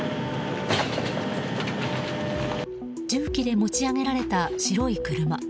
重機で持ち上げられた白い車。